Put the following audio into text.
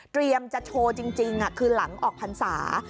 เตรียมจะโชว์จริงคือหลังออกพันธุ์ศาสตร์